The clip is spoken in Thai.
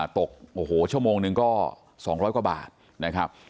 ตกโอ้โหชั่วโมงหนึ่งก็๒๐๐กว่าบาทนะครับ